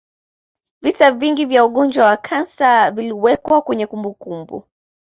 visa vingi vya ugonjwa wa kansa viliwekwa kwenye kumbukumbu